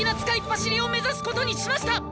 パシリを目指すことにしました！